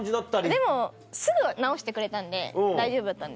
でもすぐ直してくれたんで大丈夫だったんですけど。